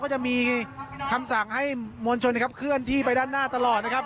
จะมีคำสั่งให้มวลชนนะครับเคลื่อนที่ไปด้านหน้าตลอดนะครับ